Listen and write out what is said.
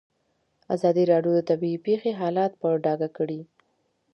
ازادي راډیو د طبیعي پېښې حالت په ډاګه کړی.